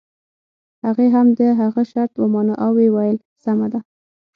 هغې هم د هغه شرط ومانه او ويې ويل سمه ده.